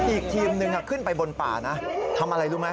อีกทีมนึงขึ้นไปบนป่านะทำอะไรรู้ไหม